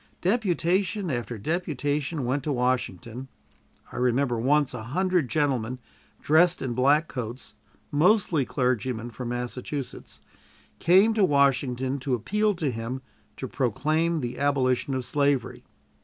Deputation after deputation went to Washington. I remember once a hundred gentlemen, dressed in black coats, mostly clergymen, from Massachusetts, came to Washington to appeal to him to proclaim the abolition of slavery.